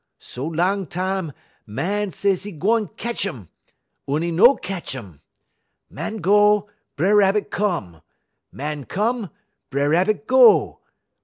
So long tam, Màn say 'e gwan ketch um, un 'e no ketch um. Màn go, B'er Rabbit come; Màn come, B'er Rabbit go.